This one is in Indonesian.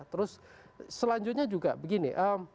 terus selanjutnya juga begini